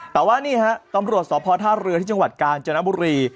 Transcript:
แต่ว่ากำรวจอภถ้าเรือที่การจนบุรี